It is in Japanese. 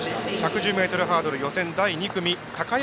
１１０ｍハードル予選第２組高山峻